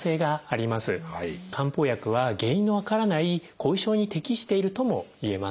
漢方薬は原因の分からない後遺症に適しているともいえます。